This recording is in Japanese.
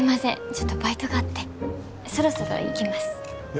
ちょっとバイトがあってそろそろ行きますえ